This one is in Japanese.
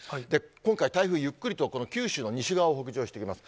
今回、台風ゆっくりと九州の西側を北上していきます。